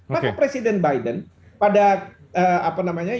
maka presiden biden pada